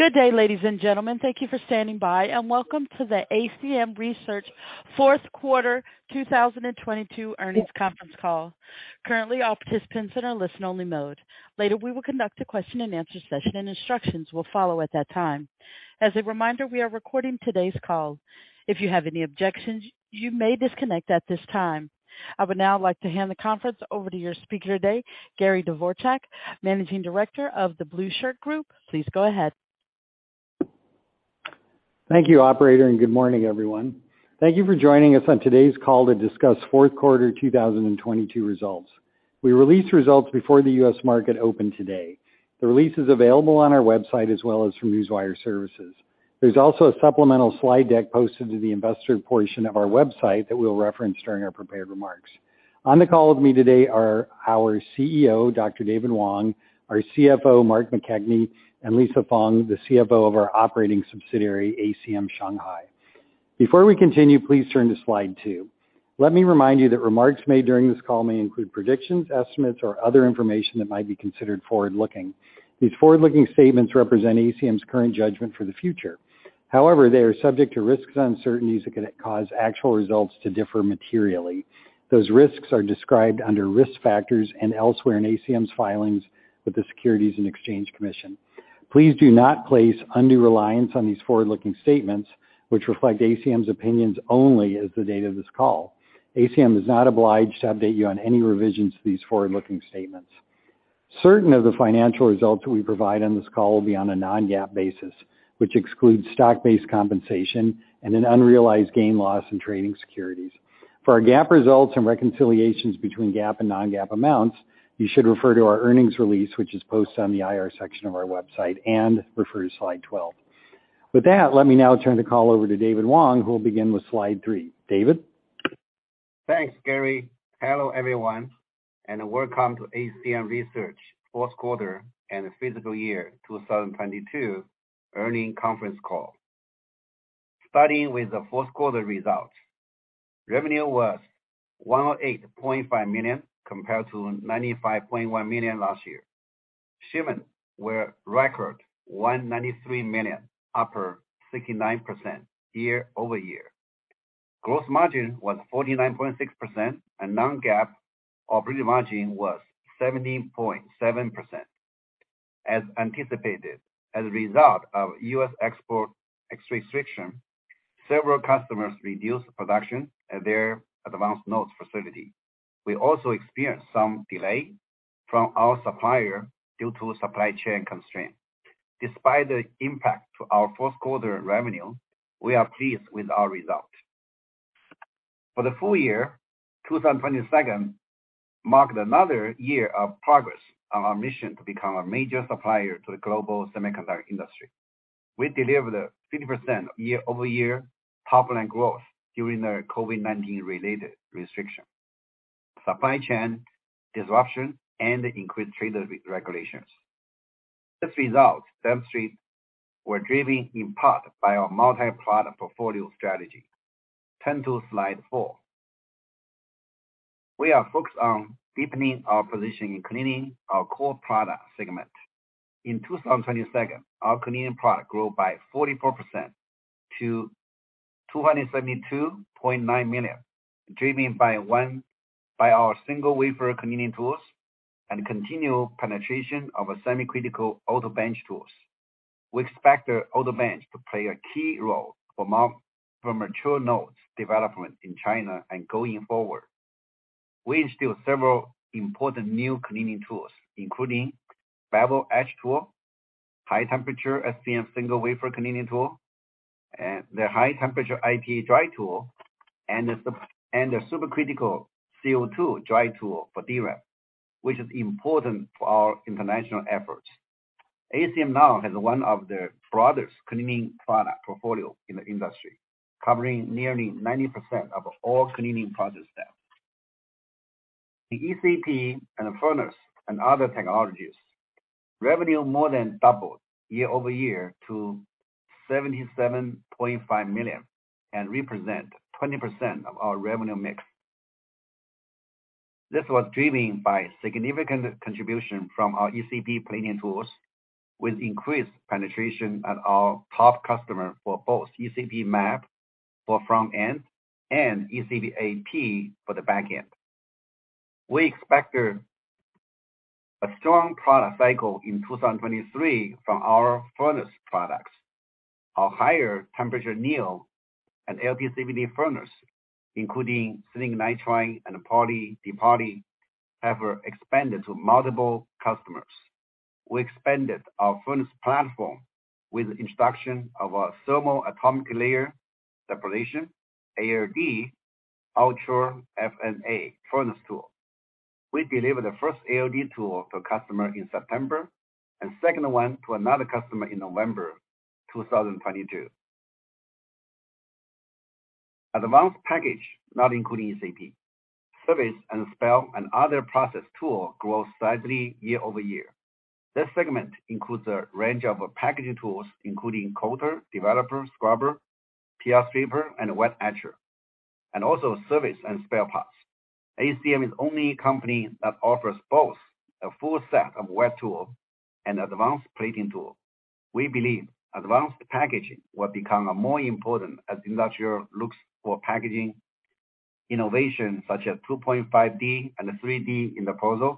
Good day, ladies and gentlemen. Thank you for standing by, and welcome to the ACM Research Q4 2022 Earnings Conference Call. Currently, all participants in a listen only mode. Later, we will conduct a question and answer session and instructions will follow at that time. As a reminder, we are recording today's call. If you have any objections, you may disconnect at this time. I would now like to hand the conference over to your speaker today, Gary Dvorchak, Managing Director of The Blueshirt Group. Please go ahead. Thank you, Operator. Good morning, everyone. Thank you for joining us on today's call to discuss Q4 2022 results. We released results before the U.S. market opened today. The release is available on our website as well as from Newswire Services. There's also a supplemental slide deck posted to the investor portion of our website that we'll reference during our prepared remarks. On the call with me today are our CEO, Dr. David Wang, our CFO, Mark McKechnie, and Lisa Feng, the CFO of our operating subsidiary, ACM Shanghai. Before we continue, please turn to slide 2. Let me remind you that remarks made during this call may include predictions, estimates, or other information that might be considered forward-looking. These forward-looking statements represent ACM's current judgment for the future. However, they are subject to risks and uncertainties that can cause actual results to differ materially. Those risks are described under Risk Factors and elsewhere in ACM's filings with the Securities and Exchange Commission. Please do not place undue reliance on these forward-looking statements, which reflect ACM's opinions only as the date of this call. ACM is not obliged to update you on any revisions to these forward-looking statements. Certain of the financial results we provide on this call will be on a non-GAAP basis, which excludes stock-based compensation and an unrealized gain loss in trading securities. For our GAAP results and reconciliations between GAAP and non-GAAP amounts, you should refer to our earnings release, which is posted on the IR section of our website and refer to slide 12. With that, let me now turn the call over to David Wang, who will begin with slide three. David? Thanks, Gary. Hello, everyone, welcome to ACM Research Q4 and fiscal 2022 earnings conference call. Starting with the Q4 results. Revenue was $108.5 million, compared to $95.1 million last year. Shipments were record $193 million, up 69% year-over-year. Gross margin was 49.6%, non-GAAP operating margin was 17.7%. As anticipated, as a result of U.S. export restriction, several customers reduced production at their advanced nodes facility. We also experienced some delay from our supplier due to supply chain constraints. Despite the impact to our Q4 revenue, we are pleased with our results. For the full year, 2022 marked another year of progress on our mission to become a major supplier to the global semiconductor industry. We delivered a 50% year-over-year top line growth during the COVID-19 related restriction, supply chain disruption, and increased trade regulations. This result demonstrate were driven in part by our multi-product portfolio strategy. Turn to slide 4. We are focused on deepening our position in cleaning our core product segment. In 2022, our cleaning product grew by 44% to $272.9 million, driven by our single wafer cleaning tools and continued penetration of a semi-critical Autobench tools. We expect the Autobench to play a key role for mature nodes development in China and going forward. We instilled several important new cleaning tools, including Bevel Etch tool, high temperature SPM single wafer cleaning tool, the high temperature IPA dry tool, and the supercritical CO2 dry tool for DRAM, which is important for our international efforts. ACM now has one of the broadest cleaning product portfolio in the industry, covering nearly 90% of all cleaning process steps. The ECP and furnace and other technologies, revenue more than doubled year-over-year to $77.5 million and represent 20% of our revenue mix. This was driven by significant contribution from our ECP plating tools with increased penetration at our top customer for both ECP map for front end and ECP ap for the back end. We expect a strong product cycle in 2023 from our furnace products. Our higher temperature Anneal and LPCVD furnace, including silicon nitride and poly and doped poly, have expanded to multiple customers. We expanded our furnace platform with the introduction of our thermal atomic layer deposition, ALD Ultra FnA furnace tool. We delivered the first ALD tool to a customer in September and second one to another customer in November 2022. Advanced package, not including ECP. Service and spare and other process tool grew slightly year-over-year. This segment includes a range of packaging tools including coater, developer, scrubber, PR stripper, and wet etcher. Also service and spare parts. ACM is only company that offers both a full set of wet tools and advanced plating tools. We believe advanced packaging will become more important as industrial looks for packaging innovation, such as 2.5D and 3D interposer,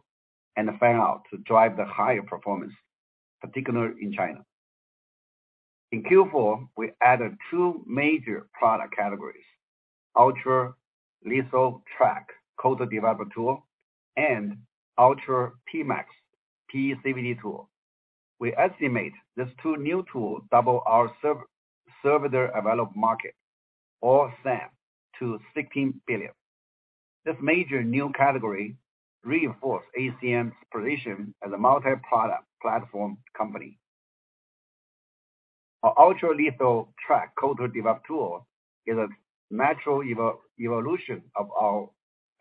and fan-out to drive the higher performance, particularly in China. In Q4, we added two major product categories: Ultra LITH Track coater developer tool, and Ultra Pmax PECVD tool. We estimate these two new tools double our serviceable available market, or SAM, to $16 billion. This major new category reinforce ACM's position as a multi-product platform company. Our Ultra LITH Track coater developer tool is a natural evolution of our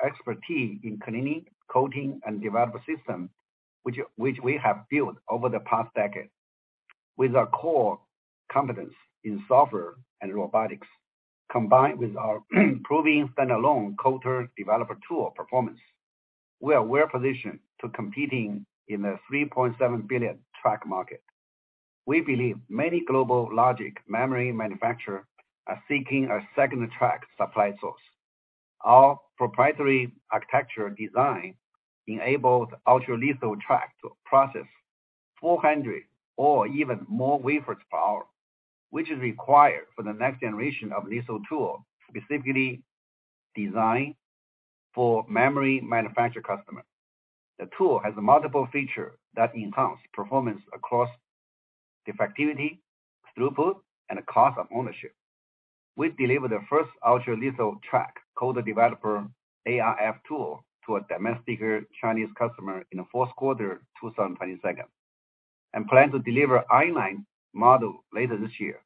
expertise in cleaning, coating, and developer systems, which we have built over the past decade. With our core competence in software and robotics, combined with our proven standalone coater developer tool performance, we are well-positioned to competing in the $3.7 billion TRACK market. We believe many global logic memory manufacturer are seeking a second TRACK supply source. Our proprietary architectural design enables Ultra LITH Track to process 400 or even more wafers per hour, which is required for the next generation of litho tool, specifically designed for memory manufacture customer. The tool has multiple feature that enhance performance across effectivity, throughput, and cost of ownership. We delivered the first Ultra LITH Track coater developer ARF tool to a domestic Chinese customer in the Q4 2022, and plan to deliver i-line model later this year.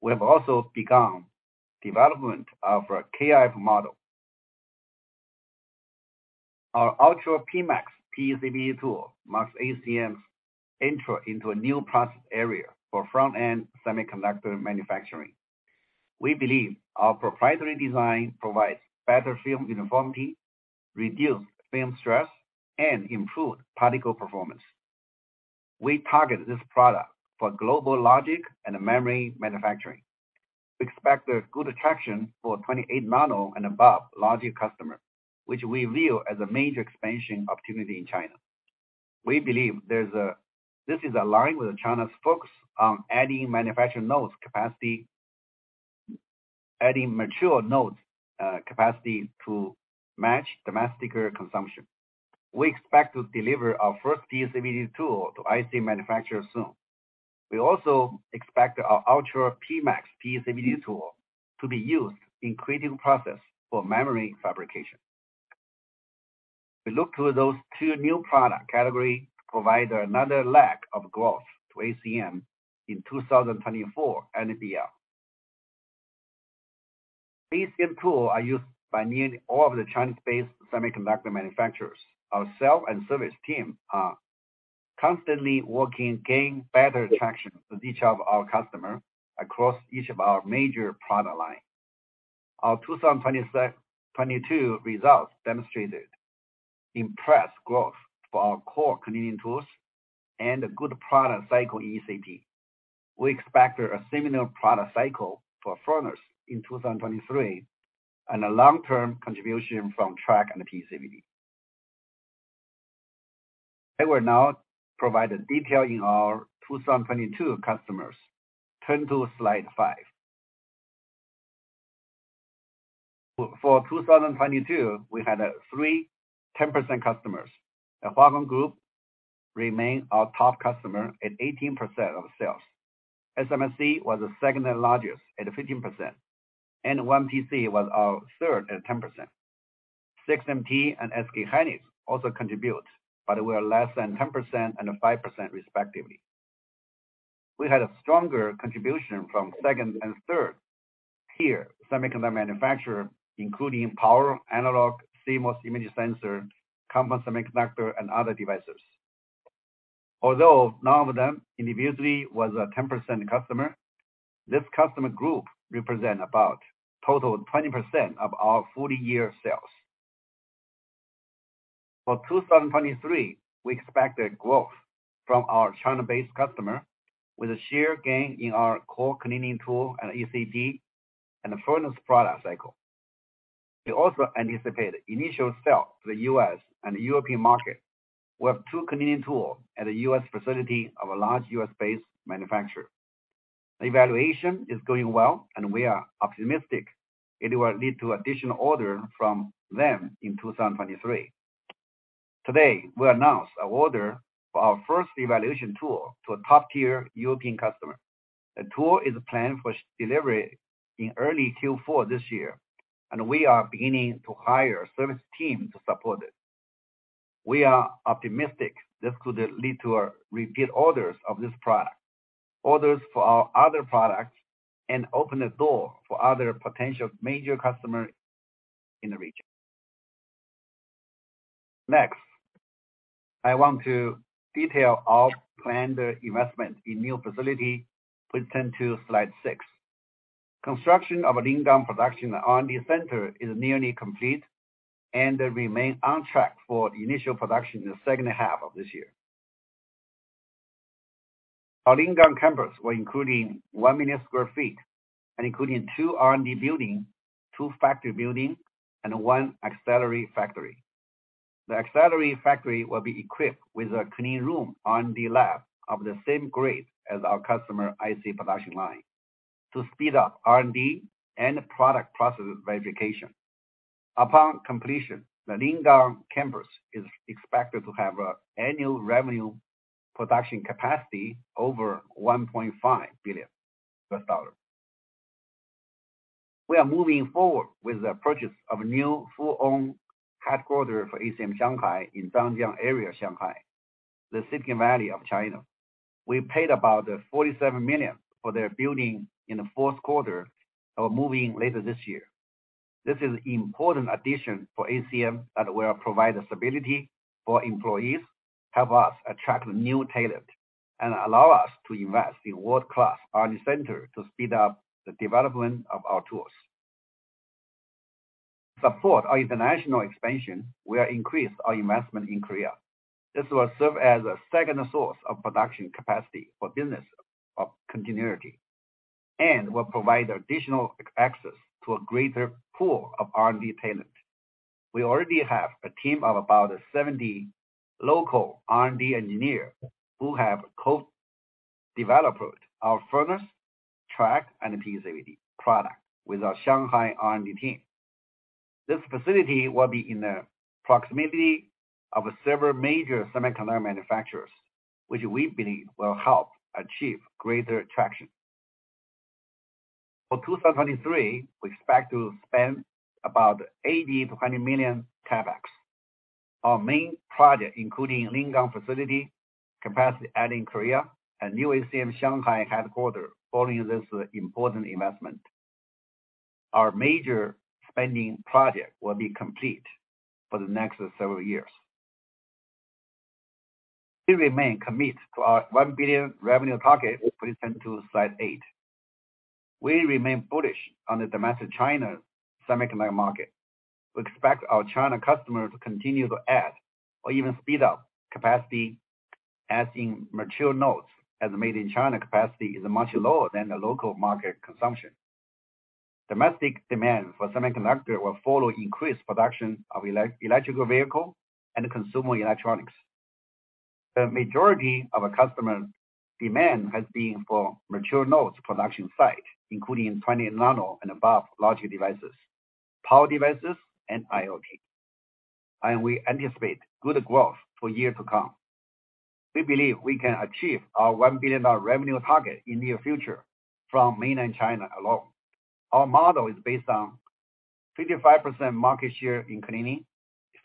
We have also begun development of our KrF model. Our Ultra Pmax PECVD tool marks ACM's entry into a new process area for front-end semiconductor manufacturing. We believe our proprietary design provides better film uniformity, reduced film stress, and improved particle performance. We target this product for global logic and memory manufacturing. We expect a good attraction for 28 nano and above logic customer, which we view as a major expansion opportunity in China. We believe this is aligned with China's focus on adding manufacturing nodes capacity. Adding mature nodes capacity to match domestic consumption. We expect to deliver our first PECVD tool to IC manufacturer soon. We also expect our Ultra Pmax PECVD tool to be used in creating process for memory fabrication. We look to those two new product category to provide another leg of growth to ACM in 2024 and beyond. ACM tools are used by nearly all of the China-based semiconductor manufacturers. Our sales and service team are constantly working gain better traction with each of our customer across each of our major product line. Our 2022 results demonstrated impressed growth for our core cleaning tools and good product cycle ECP. We expect a similar product cycle for furnace in 2023, and a long-term contribution from TRACK and PECVD. I will now provide the detail in our 2022 customers. Turn to slide 5. For 2022, we had 3 10% customers. The Hua Hong Group remain our top customer at 18% of sales. SMIC was the second largest at 15%. YMTC was our third at 10%. Six MT and SK hynix also contribute, but were less than 10% and 5% respectively. We had a stronger contribution from second and third tier semiconductor manufacturer, including power, analog, CMOS, image sensor, compound semiconductor, and other devices. Although none of them individually was a 10% customer, this customer group represent about total 20% of our full year sales. For 2023, we expect a growth from our China-based customer with a share gain in our core cleaning tool and ECP and furnace product cycle. We also anticipate initial sale to the U.S. and European market. We have 2 cleaning tool at a U.S. facility of a large U.S.-based manufacturer. The evaluation is going well, and we are optimistic it will lead to additional order from them in 2023. Today, we announced an order for our first evaluation tool to a top-tier European customer. The tool is planned for delivery in early Q4 this year, and we are beginning to hire service team to support it. We are optimistic this could lead to repeat orders of this product, orders for our other products, and open the door for other potential major customer in the region. Next, I want to detail our planned investment in new facility. Please turn to slide 6. Construction of Lingang production R&D center is nearly complete and remain on track for the initial production in the second half of this year. Our Lingang campus will including 1 million sq ft, including 2 R&D building, 2 factory building, and 1 accelerant factory. The accelerant factory will be equipped with a clean room R&D lab of the same grade as our customer IC production line to speed up R&D and product process verification. Upon completion, the Lingang campus is expected to have annual revenue production capacity over $1.5 billion. We are moving forward with the purchase of new full-owned headquarter for ACM Shanghai in Zhangjiang area, Shanghai, the Silicon Valley of China. We paid about $47 million for their building in the Q4, we're moving later this year. This is important addition for ACM that will provide stability for employees, help us attract new talent, and allow us to invest in world-class R&D center to speed up the development of our tools. Support our international expansion, we are increased our investment in Korea. This will serve as a second source of production capacity for business of continuity and will provide additional access to a greater pool of R&D talent. We already have a team of about 70 local R&D engineer who have co-developed our furnace, track, and PECVD product with our Shanghai R&D team. This facility will be in the proximity of several major semiconductor manufacturers, which we believe will help achieve greater traction. For 2023, we expect to spend about $80 million-$20 million CapEx. Our main project, including Lingang facility, capacity add in Korea, and new ACM Shanghai headquarters. Following this important investment, our major spending project will be complete for the next several years. We remain committed to our $1 billion revenue target. Please turn to slide 8. We remain bullish on the domestic China semiconductor market. We expect our China customers to continue to add or even speed up capacity adding mature nodes as made in China capacity is much lower than the local market consumption. Domestic demand for semiconductor will follow increased production of electrical vehicle and consumer electronics. The majority of our customer demand has been for mature nodes production site, including 20 nano and above logic devices, power devices, and IoT. We anticipate good growth for years to come. We believe we can achieve our $1 billion revenue target in near future from Mainland China alone. Our model is based on 55% market share in cleaning,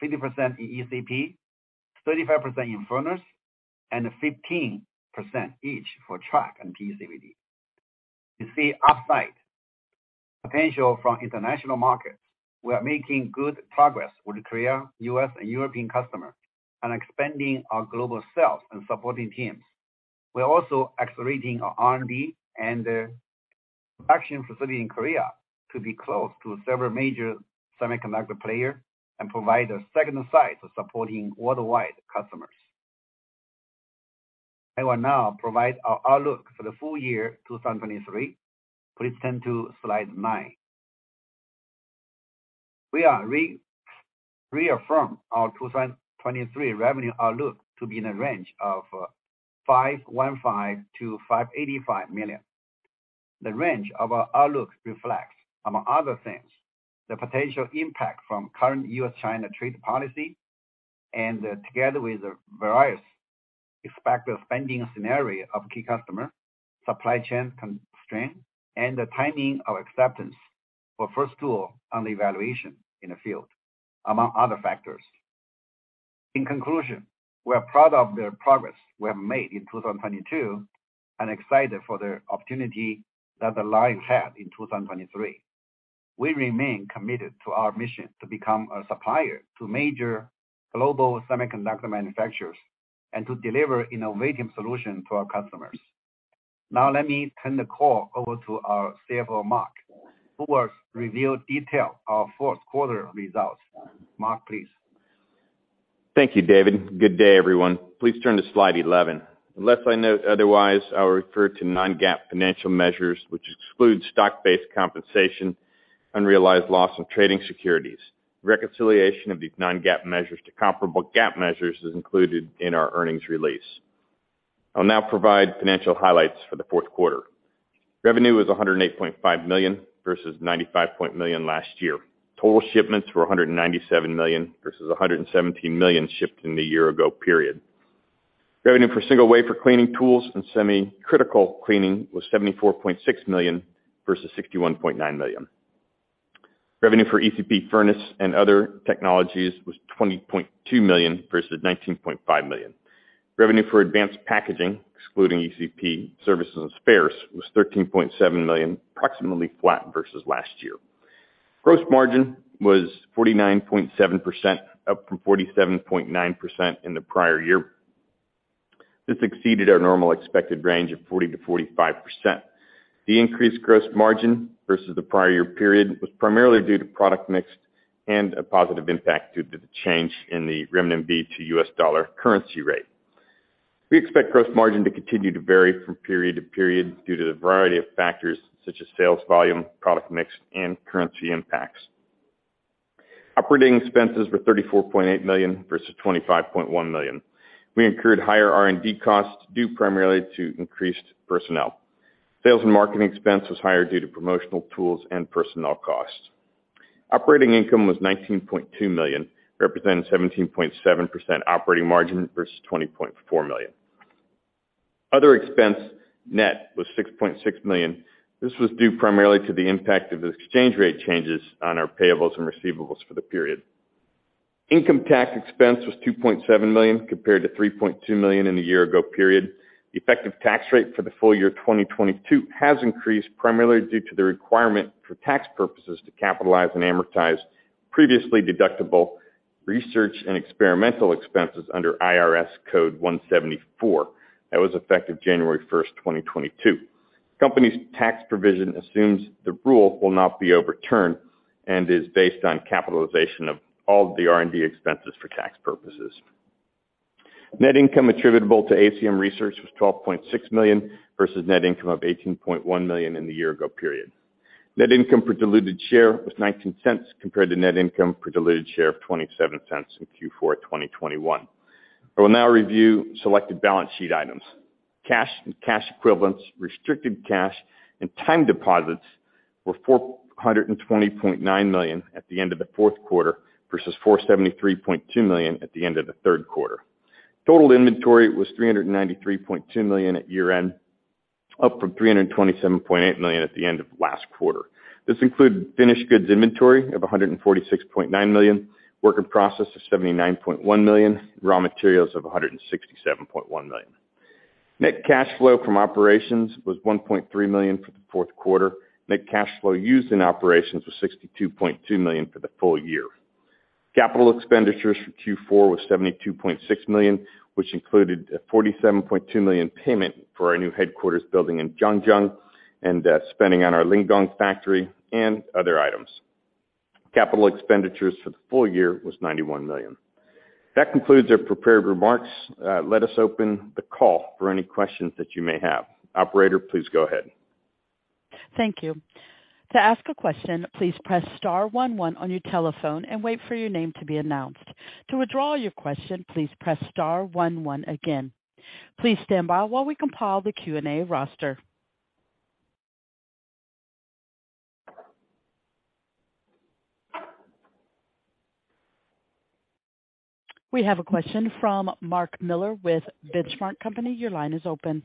50% in ECP, 35% in furnace, and 15% each for track and PECVD. We see upside potential from international markets. We are making good progress with Korea, U.S., and European customer and expanding our global sales and supporting teams. We are also accelerating our R&D and production facility in Korea to be close to several major semiconductor player and provide a second site for supporting worldwide customers. I will now provide our outlook for the full year 2023. Please turn to slide 9. We reaffirm our 2023 revenue outlook to be in a range of $515 million-$585 million. The range of our outlook reflects, among other things, the potential impact from current U.S.-China trade policy and together with various expected spending scenario of key customer, supply chain constraint, and the timing of acceptance for first tool on the evaluation in the field, among other factors. In conclusion, we are proud of the progress we have made in 2022 and excited for the opportunity that align ahead in 2023. We remain committed to our mission to become a supplier to major global semiconductor manufacturers and to deliver innovative solution to our customers. Let me turn the call over to our CFO, Mark, who will reveal detail our Q4 results. Mark, please. Thank you, David. Good day, everyone. Please turn to slide 11. Unless I note otherwise, I'll refer to non-GAAP financial measures, which excludes stock-based compensation, unrealized loss on trading securities. Reconciliation of these non-GAAP measures to comparable GAAP measures is included in our earnings release. I'll now provide financial highlights for the Q4. Revenue was $108.5 million versus $95 point million last year. Total shipments were $197 million versus $117 million shipped in the year ago period. Revenue for single wafer cleaning tools and semi critical cleaning was $74.6 million versus $61.9 million. Revenue for ECP furnace and other technologies was $20.2 million versus $19.5 million. Revenue for advanced packaging, excluding ECP services and spares, was $13.7 million, approximately flat versus last year. Gross margin was 49.7%, up from 47.9% in the prior year. This exceeded our normal expected range of 40%-45%. The increased gross margin versus the prior year period was primarily due to product mix and a positive impact due to the change in the renminbi to U.S. dollar currency rate. We expect gross margin to continue to vary from period to period due to the variety of factors such as sales volume, product mix, and currency impacts. Operating expenses were $34.8 million versus $25.1 million. We incurred higher R&D costs due primarily to increased personnel. Sales and marketing expense was higher due to promotional tools and personnel costs. Operating income was $19.2 million, representing 17.7% operating margin versus $20.4 million. Other expense net was $6.6 million. This was due primarily to the impact of the exchange rate changes on our payables and receivables for the period. Income tax expense was $2.7 million, compared to $3.2 million in the year-ago period. The effective tax rate for the full year 2022 has increased primarily due to the requirement for tax purposes to capitalize and amortize previously deductible research and experimental expenses under IRC Section 174. That was effective January first, 2022. Company's tax provision assumes the rule will not be overturned and is based on capitalization of all the R&D expenses for tax purposes. Net income attributable to ACM Research was $12.6 million versus net income of $18.1 million in the year-ago period. Net income per diluted share was $0.19 compared to net income per diluted share of $0.27 in Q4 2021. I will now review selected balance sheet items. Cash and cash equivalents, restricted cash, and time deposits were $420.9 million at the end of the Q4 versus $473.2 million at the end of the Q3. Total inventory was $393.2 million at year-end, up from $327.8 million at the end of last quarter. This included finished goods inventory of $146.9 million, work in process of $79.1 million, raw materials of $167.1 million. Net cash flow from operations was $1.3 million for the Q4. Net cash flow used in operations was $62.2 million for the full year. Capital expenditures for Q4 was $72.6 million, which included a $47.2 million payment for our new headquarters building in Zhangjiang and spending on our Lingang factory and other items. Capital expenditures for the full year was $91 million. That concludes our prepared remarks. Let us open the call for any questions that you may have. Operator, please go ahead. Thank you. To ask a question, please press star one one on your telephone and wait for your name to be announced. To withdraw your question, please press star one one again. Please stand by while we compile the Q&A roster. We have a question from Mark Miller with The Benchmark Company. Your line is open.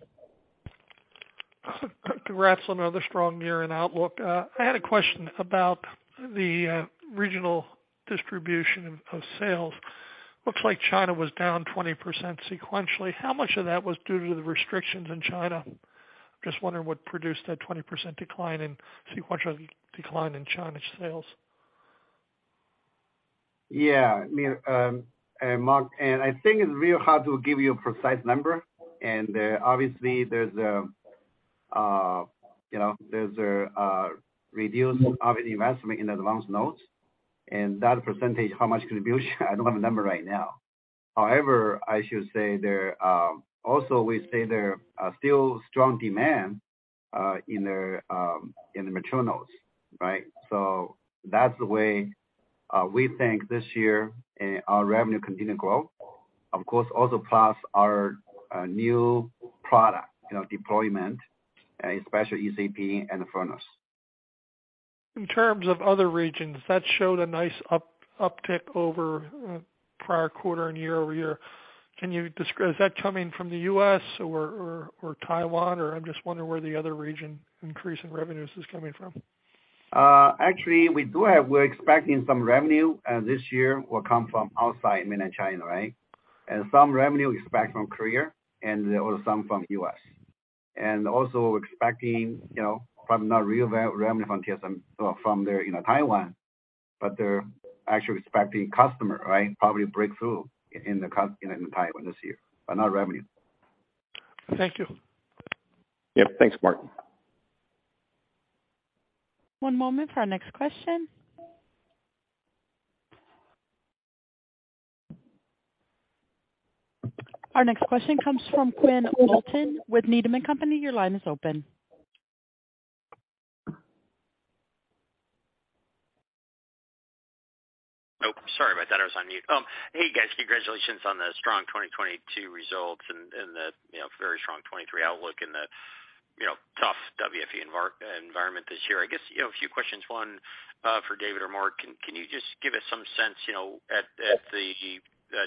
Congrats on another strong year and outlook. I had a question about the regional distribution of sales. Looks like China was down 20% sequentially. How much of that was due to the restrictions in China? Just wondering what produced that 20% sequential decline in China sales. Yeah. I mean, Mark, I think it's real hard to give you a precise number. Obviously, there's a reduced investment in advanced nodes and that percentage, how much contribution, I don't have a number right now. However, I should say there, also we say there are still strong demand in the mature nodes, right? That's the way we think this year and our revenue continue to grow. Of course, also plus our new product, deployment, especially ECP and the furnace. In terms of other regions, that showed a nice uptick over prior quarter and year-over-year. Can you describe, is that coming from the U.S. or Taiwan, or I'm just wondering where the other region increase in revenues is coming from? Actually, we're expecting some revenue this year will come from outside Mainland China, right? Some revenue we expect from Korea and also some from U.S. Also expecting, probably not real revenue from TSMC, so from there in Taiwan, but they're actually expecting customer, right, probably breakthrough in Taiwan this year, but not revenue. Thank you. Yeah. Thanks, Mark. One moment for our next question. Our next question comes from Quinn Bolton with Needham & Company. Your line is open. Oh, sorry about that. I was on mute. Hey, guys, congratulations on the strong 2022 results and the, very strong 2023 outlook and the, tough WFE environment this year. I guess, a few questions. One, for David or Mark. Can you just give us some sense, at the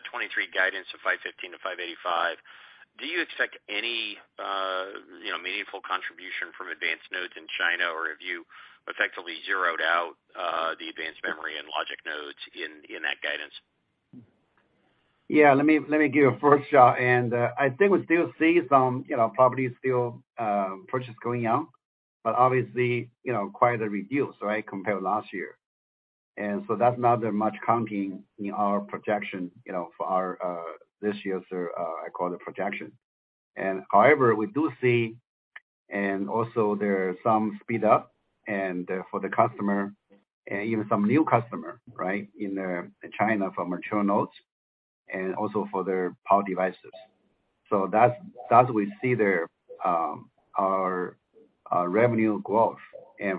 2023 guidance of $515 million-$585 million? Do you expect any, meaningful contribution from advanced nodes in China? Or have you effectively zeroed out the advanced memory and logic nodes in that guidance? Yeah, let me give a first shot. I think we still see some, properties still purchase going out, but obviously, quite a reduced, right, compared last year. So that's not that much counting in our projection, for our this year's I call the projection. However, we do see, and also there are some speed up for the customer, even some new customer, right, in China for mature nodes and also for their power devices. So that's that we see their our revenue growth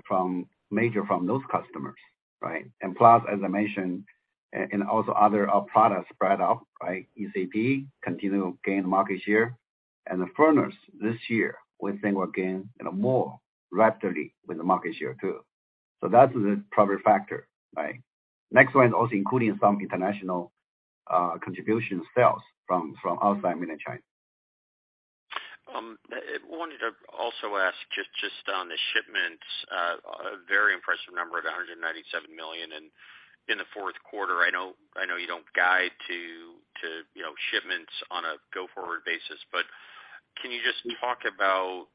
from major from those customers, right? Plus, as I mentioned, and also other products spread out, right, ECP continue to gain market share. The furnace this year, we think we'll gain, more rapidly with the market share too. That is a probably factor, right? Next one is also including some international contribution sales from outside mainland China. I wanted to also ask just on the shipments, a very impressive number of $197 million. In the Q4, I know you don't guide to, shipments on a go-forward basis, but can you just talk about,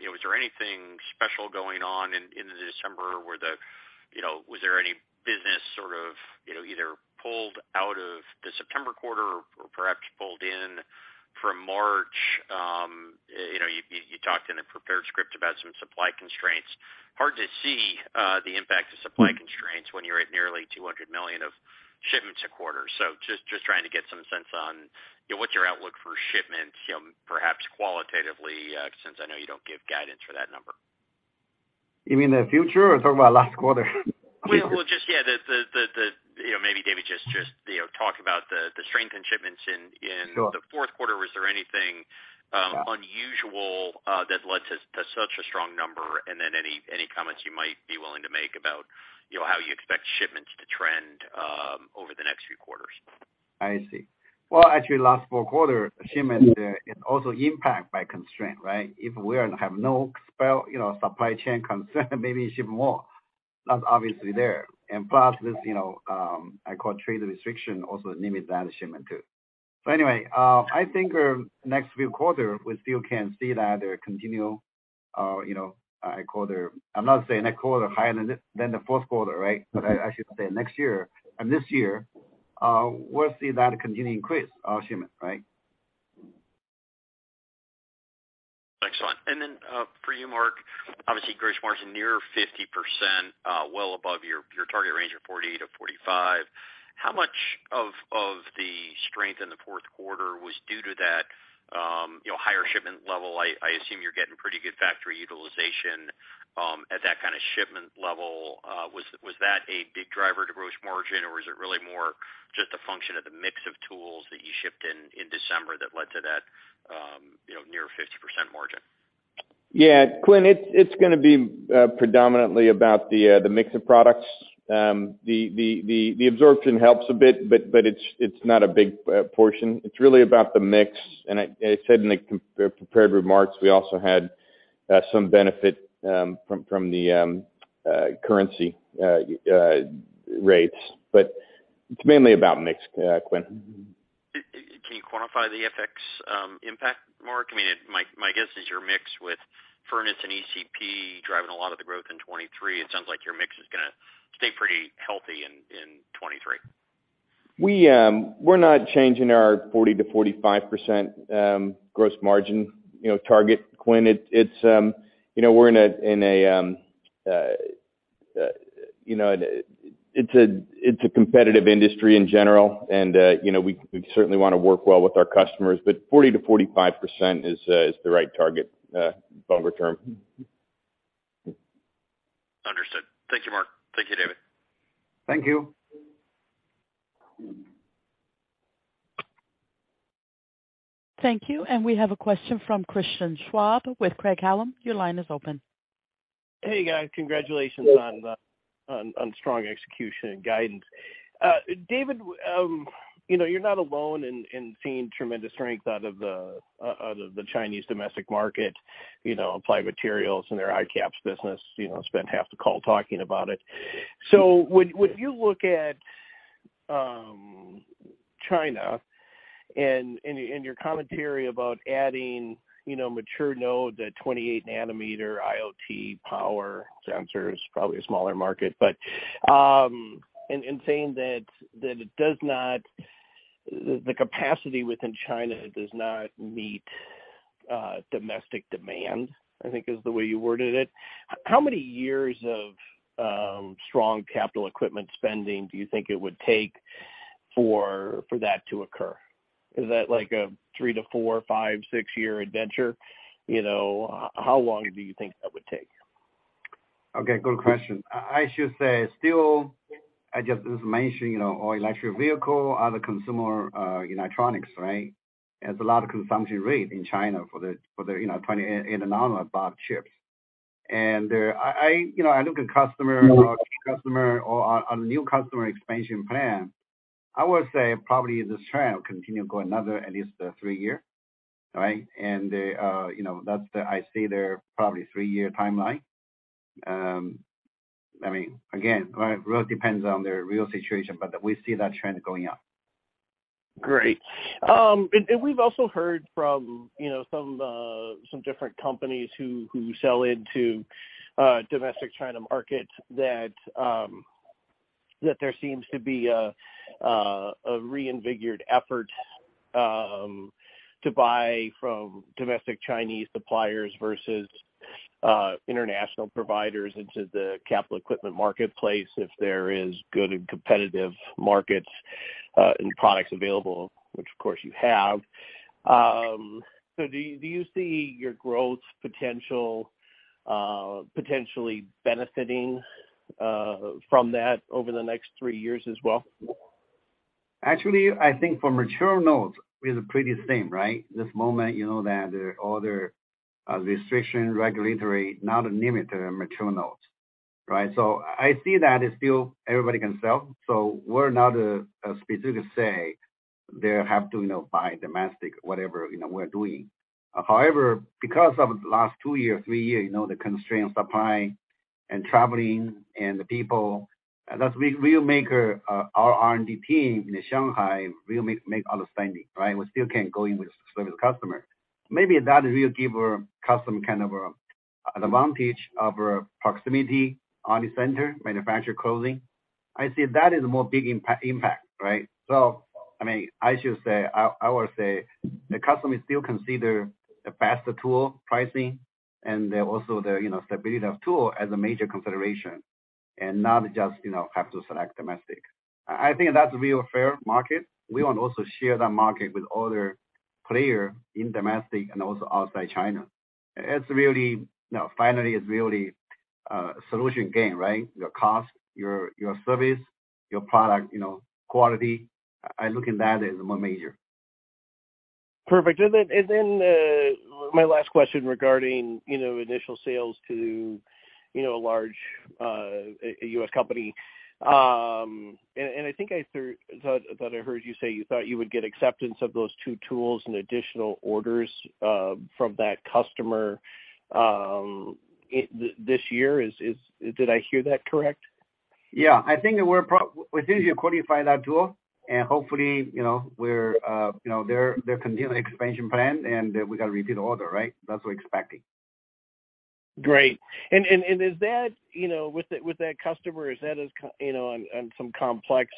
was there anything special going on in the December? You know, was there any business sort of, either pulled out of the September quarter or perhaps pulled in from March? You know, you talked in a prepared script about some supply constraints. Hard to see, the impact of supply constraints when you're at nearly $200 million of shipments a quarter. Just trying to get some sense on, what's your outlook for shipments, perhaps qualitatively, since I know you don't give guidance for that number. You mean the future or talking about last quarter? Well, just yeah, the, maybe David just, talk about the strength in shipments in. Sure. the Q4 was there anything unusual that led to such a strong number? Any, any comments you might be willing to make about, how you expect shipments to trend over the next few quarters. I see. Well, actually, last four quarter shipments, is also impact by constraint, right? If we are have no spell, supply chain constraint, maybe ship more. That's obviously there. Plus this, I call trade restriction also limit that shipment too. Anyway, I think our next few quarter, we still can see that there continue, I call there. I'm not saying I call higher than the, than the fourth quarter, right? I should say next year and this year, we'll see that continue increase our shipment, right? Excellent. Then, for you, Mark, obviously gross margin near 50%, well above your target range of 40%-45%. How much of the strength in the Q4 was due to that, higher shipment level? I assume you're getting pretty good factory utilization, at that kind of shipment level. Was that a big driver to gross margin, or was it really more just a function of the mix of tools that you shipped in December that led to that, near 50% margin? Yeah, Quinn, it's gonna be predominantly about the mix of products. The absorption helps a bit, but it's not a big portion. It's really about the mix. I said in the prepared remarks, we also had some benefit from the currency rates. It's mainly about mix, Quinn. Can you quantify the FX impact, Mark? I mean, my guess is your mix with furnace and ECP driving a lot of the growth in 2023. It sounds like your mix is gonna stay pretty healthy in 2023. We're not changing our 40%-45% gross margin, target, Quinn. It's, we're in a, it's a competitive industry in general, and we certainly wanna work well with our customers, but 40%-45% is the right target, longer term. Understood. Thank you, Mark. Thank you, David. Thank you. Thank you. We have a question from Christian Schwab with Craig-Hallum. Your line is open. Hey, guys. Congratulations on. Yeah. On strong execution and guidance. David, you're not alone in seeing tremendous strength out of the Chinese domestic market. You know, Applied Materials and their ICAPS business, spent half the call talking about it. When you look at China and your commentary about adding, mature node, the 28 nanometer, IoT, power, sensors, probably a smaller market. Saying that the capacity within China does not meet domestic demand, I think is the way you worded it. How many years of strong capital equipment spending do you think it would take for that to occur? Is that like a three to four, five, six-year adventure? You know, how long do you think that would take? Okay, good question. I should say still, I just mentioned, our electric vehicle, other consumer electronics, right? There's a lot of consumption rate in China for the 28 nano above chips. I look at customer or our new customer expansion plan. I would say probably this trend will continue to go another at least three year, right? I see there probably 3-year timeline. I mean, again, right, really depends on the real situation, but we see that trend going up. Great. We've also heard from, some different companies who sell into domestic China market that there seems to be a reinvigorated effort to buy from domestic Chinese suppliers versus international providers into the capital equipment marketplace if there is good and competitive markets and products available, which of course you have. Do you see your growth potential potentially benefiting from that over the next three years as well? Actually, I think for mature nodes is pretty the same, right? This moment, that all the restriction regulatory not limit the mature nodes, right? I see that it's still everybody can sell, we're not specific say they have to buy domestic whatever, we're doing. However, because of last two year, three year, the constrained supply and traveling and the people, that will make our R&D team in the Shanghai really make understanding, right? We still can't go in with service customer. Maybe that will give our custom kind of an advantage of our proximity on the center manufacture closing. I see that is a more big impact, right? I mean, I should say, I will say the customer still consider the faster tool pricing and also the, stability of tool as a major consideration and not just, have to select domestic. I think that's a real fair market. We want also to share that market with other player in domestic and also outside China. It's really, finally it's really, solution gain, right? Your cost, your service, your product, quality. I look at that as more major. Perfect. My last question regarding, initial sales to, a large U.S. company. I thought I heard you say you thought you would get acceptance of those two tools and additional orders from that customer this year. Did I hear that correct? Yeah. I think we did qualify that tool and hopefully, we're, they're continuing expansion plan and we got repeat order, right? That's what we're expecting. Great. is that, with the, with that customer, is that on some complex,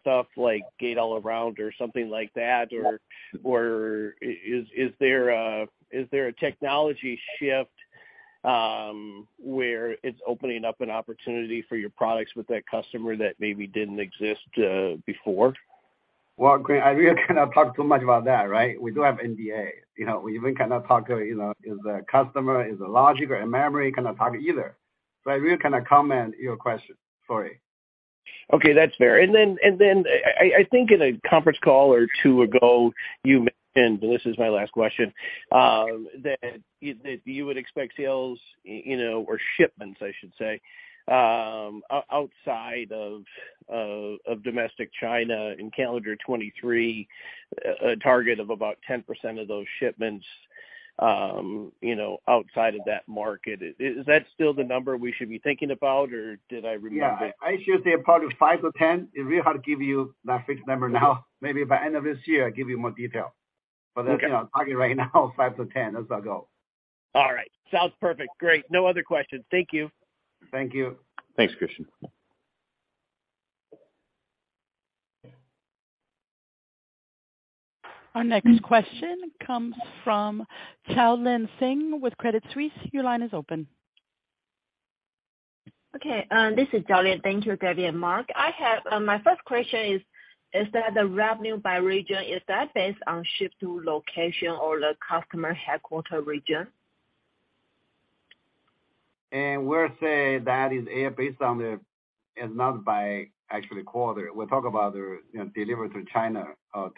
stuff like gate-all-around or something like that? is there a, is there a technology shift, where it's opening up an opportunity for your products with that customer that maybe didn't exist, before? Well, Glenn, I really cannot talk too much about that, right? We do have NDA. You know, we even cannot talk, is the customer, is logic and memory, cannot talk either. I really cannot comment your question. Sorry. Okay, that's fair. I think in a conference call or 2 ago, you mentioned, but this is my last question, that you would expect sales, or shipments, I should say, outside of domestic China in calendar 2023, a target of about 10% of those shipments, outside of that market. Is that still the number we should be thinking about, or did I remember- Yeah. I should say probably five to 10. It's really hard to give you that fixed number now. Maybe by end of this year, I'll give you more detail. Okay. That's, target right now, five to 10. That's our goal. All right. Sounds perfect. Great. No other questions. Thank you. Thank you. Thanks, Christian. Our next question comes from Charlie Chan with Credit Suisse. Your line is open. This is Chaolien. Thank you, David and Mark. I have, my first question is that the revenue by region, is that based on ship to location or the customer headquarter region? We're saying that is, A, based on the... It's not by actually quarter. We'll talk about the, deliver to China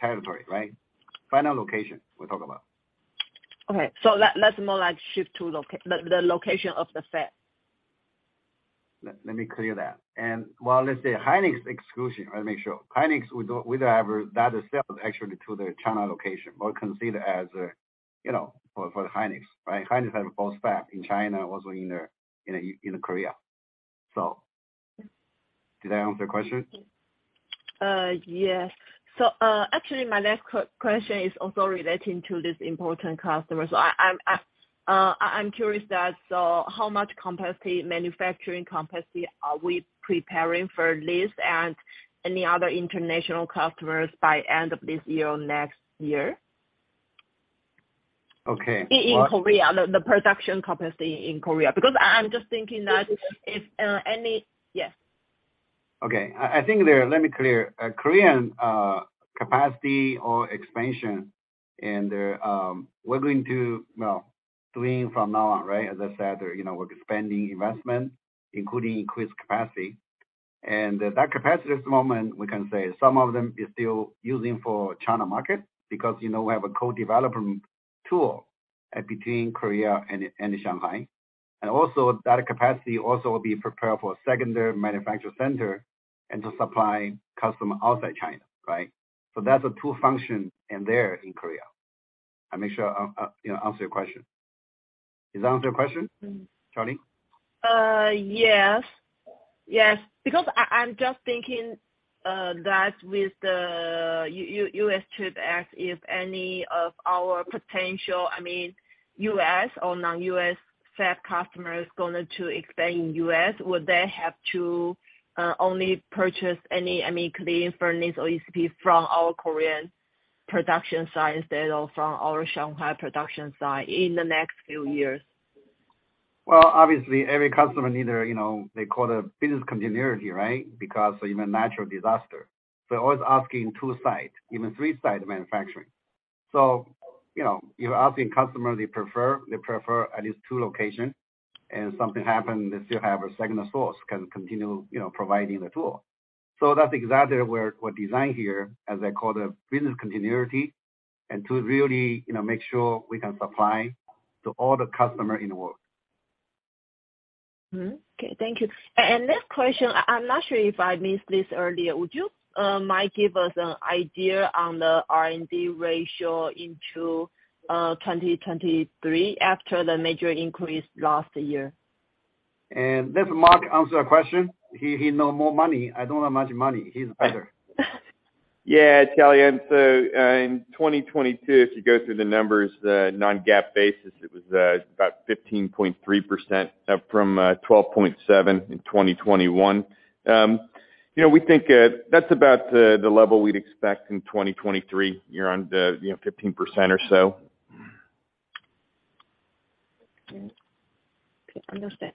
territory, right? Final location, we'll talk about. Okay. that's more like shift to the location of the sale. Let me clear that. Well, let's say Hynix exclusion. Hynix, we don't have that sale actually to the China location. We'll consider as for Hynix, right? Hynix have both fab in China, also in Korea. Did I answer your question? Yes. Actually my last question is also relating to this important customer. I'm curious that, how much capacity, manufacturing capacity are we preparing for this and any other international customers by end of this year or next year? Okay. In Korea. The production capacity in Korea. Because I'm just thinking that if Yes. Okay. I think let me clear. Korean capacity or expansion and we're doing from now on, right? As I said, we're expanding investment, including increased capacity. That capacity at the moment, we can say some of them is still using for China market because, we have a co-development tool between Korea and Shanghai. Also that capacity also will be prepared for a secondary manufacture center and to supply customer outside China, right? That's a 2 function in there in Korea. I make sure, answer your question. Does that answer your question? Mm-hmm. Charlie? Yes. Yes. I'm just thinking that with the U.S. chip act, if any of our potential, I mean, U.S. or non-U.S. fab customer is going to expand in U.S., would they have to only purchase any, I mean, cleaning furnace or USP from our Korean production site instead of from our Shanghai production site in the next few years? Well, obviously, every customer need a, they call it business continuity, right? Even natural disaster. Always asking 2 site, even 3 site manufacturing. You know, you're asking customers, they prefer at least 2 location, and something happened, they still have a second source, can continue, providing the tool. That's exactly where we're designed here, as they call the business continuity and to really, make sure we can supply to all the customer in the world. Okay. Thank you. Next question. I'm not sure if I missed this earlier. Would you might give us an idea on the R&D ratio into 2023 after the major increase last year? Let Mark answer a question. He know more money. I don't know much money. He's better. Yeah, Charlie. In 2022, if you go through the numbers, the non-GAAP basis, it was about 15.3% from 12.7% in 2021. You know, we think that's about the level we'd expect in 2023, around,15% or so. Okay. Understand.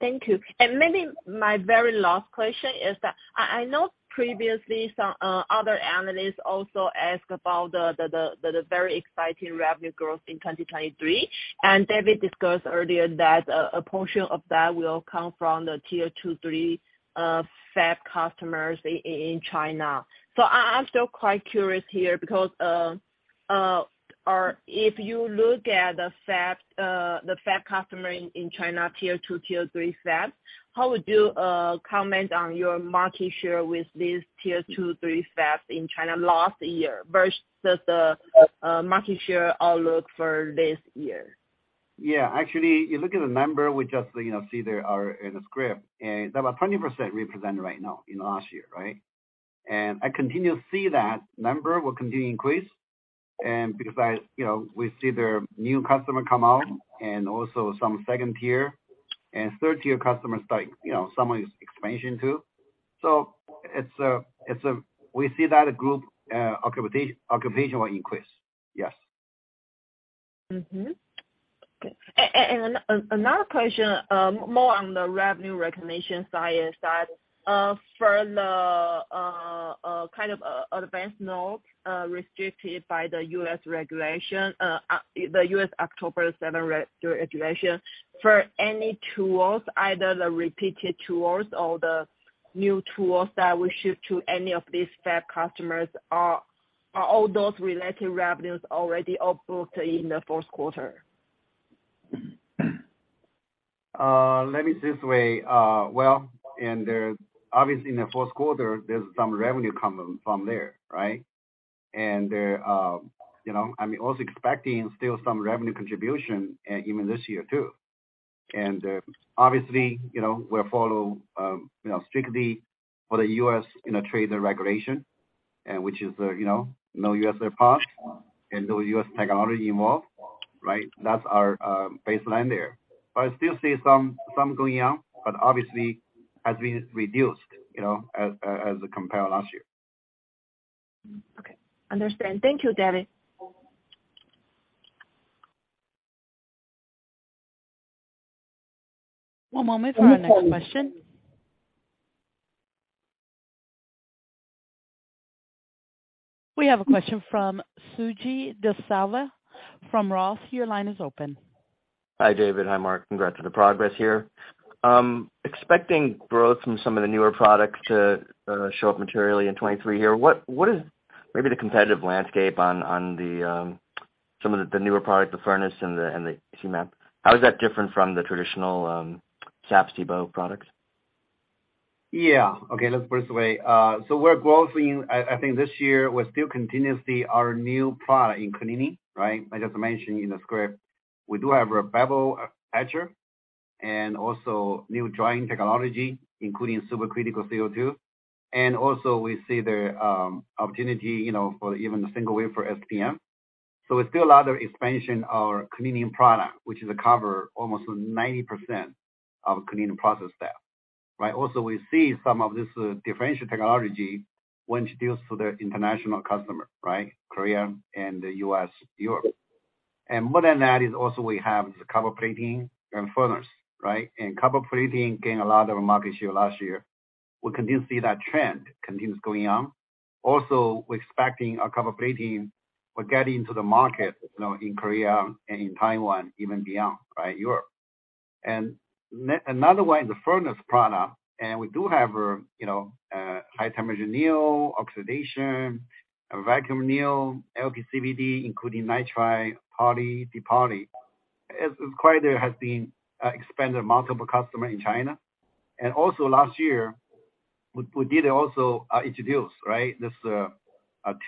Thank you. Maybe my very last question is that I know previously some other analysts also ask about the very exciting revenue growth in 2023, and David discussed earlier that a portion of that will come from the tier 2, 3 fab customers in China. I'm still quite curious here because or if you look at the fab, the fab customer in China, tier 2, tier 3 fabs, how would you comment on your market share with these tier 2, 3 fabs in China last year versus the market share outlook for this year? Yeah. Actually, you look at the number, we just, see there are in the script, about 20% represented right now in last year, right? I continue to see that number will continue to increase because we see the new customer come out and also some second tier and third tier customers starting, some expansion too. It's we see that group occupation will increase. Yes. Another question, more on the revenue recognition side is that for the kind of advanced node restricted by the U.S. regulation, the U.S. October 7 re-regulation. For any tools, either the repeated tools or the new tools that we ship to any of these fab customers, are all those related revenues already up booked in the Q1? Let me this way. Well, there's obviously in the Q1 there's some revenue coming from there, right? There, I'm also expecting still some revenue contribution, even this year too. Obviously, we follow, strictly for the U.S. trade regulation, which is, no U.S. part and no U.S. technology involved, right? That's our baseline there. I still see some going on, but obviously has been reduced, as compared last year. Okay. Understand. Thank you, David. One moment for our next question. We have a question from Suji Desilva from ROTH. Your line is open. Hi, David. Hi, Mark. Congrats on the progress here. Expecting growth from some of the newer products to show up materially in 23 here. What is maybe the competitive landscape on the newer products, the furnace and the ECP MAP? How is that different from the traditional SAPS TEBO products? Yeah. Okay. Let's put it this way. We're growing, I think this year we're still continuously our new product in cleaning, right? I just mentioned in the script, we do have a Bevel Etch and also new drying technology, including supercritical CO2. Also, we see the opportunity, for even the single wafer SPM. It's still a lot of expansion our cleaning product, which is cover almost 90% of cleaning process step, right? Also, we see some of this differential technology when introduced to the international customer, right? Korea and the U.S., Europe. More than that is also we have the copper plating and furnace, right? Copper plating gain a lot of market share last year. We continue to see that trend continues going on. Also, we're expecting our copper plating will get into the market, in Korea and in Taiwan, even beyond, right? Europe. Another way in the furnace product, we do have, high temperature Anneal, oxidation, vacuum anneal, LPCVD, including nitride poly, depoly. As required, there has been expanded multiple customer in China. Also last year, we did also introduce, right, this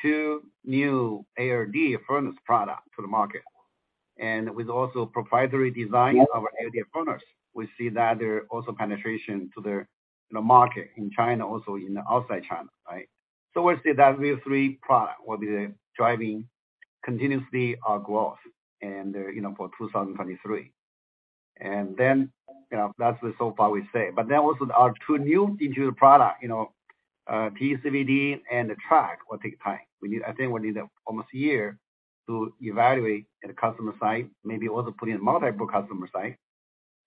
two new ALD furnace product to the market. With also proprietary design of our ALD furnace, we see that there also penetration to the, market in China, also in the outside China, right? We see that these three product will be driving continuously our growth and, for 2023. Then, that's so far we say. Also, our two new digital products, PECVD and the track will take time. I think we need almost a year to evaluate at a customer site, maybe also put in multiple customer site.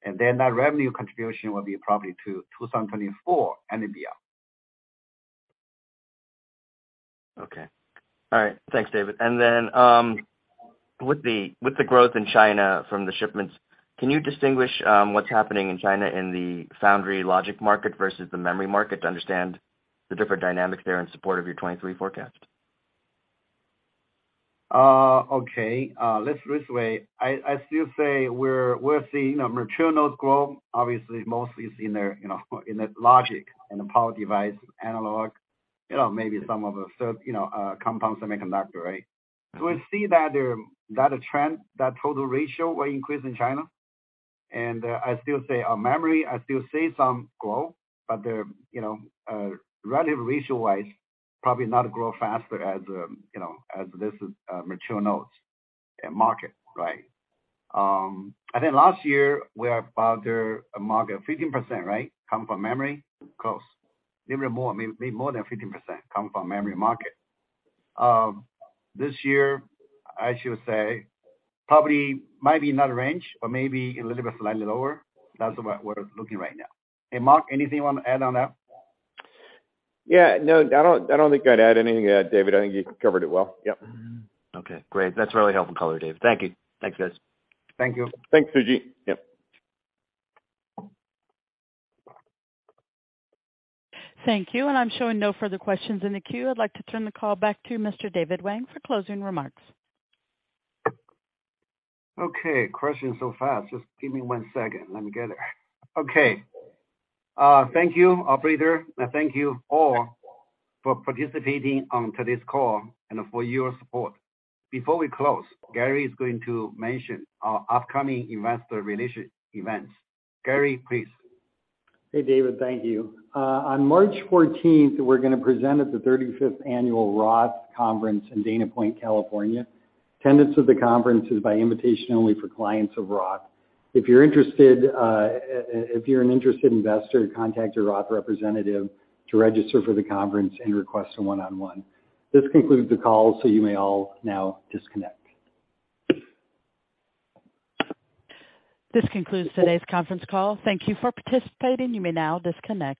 That revenue contribution will be probably 2024 and beyond. Okay. All right. Thanks, David. With the growth in China from the shipments, can you distinguish what's happening in China in the foundry logic market versus the memory market to understand the different dynamics there in support of your 23 forecast? Okay. Let's do it this way. I still say we're seeing a mature nodes grow, obviously mostly seen there, in the logic and the power device analog, maybe some of the, compound semiconductor, right? We see that trend, that total ratio will increase in China. I still say our memory, I still see some growth, but they're, relative ratio-wise, probably not grow faster as, you know, this mature nodes market, right? I think last year, we are about a market of 15%, right, come from memory? Close. Little bit more, maybe more than 15% come from memory market. This year, I should say, probably, maybe not range or maybe a little bit slightly lower. That's what we're looking right now. Hey, Mark, anything you wanna add on that? Yeah, no, I don't, I don't think I'd add anything, David. I think you covered it well. Yep. Okay, great. That's really helpful color, Dave. Thank you. Thanks, guys. Thank you. Thanks, Suji. Yep. Thank you. I'm showing no further questions in the queue. I'd like to turn the call back to Mr. David Wang for closing remarks. Okay. Question so fast. Just give me one second. Let me get it. Okay. Thank you, operator, and thank you all for participating on today's call and for your support. Before we close, Gary is going to mention our upcoming investor relations events. Gary, please. Hey, David. Thank you. On March 14th, we're gonna present at the 35th annual Roth Conference in Dana Point, California. Attendance of the conference is by invitation only for clients of Roth. If you're an interested investor, contact your Roth representative to register for the conference and request a one-on-one. This concludes the call. You may all now disconnect. This concludes today's conference call. Thank you for participating. You may now disconnect.